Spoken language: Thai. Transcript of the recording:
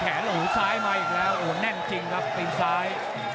หูซ้ายมาอีกแล้วโอ้แน่นจริงครับตีนซ้าย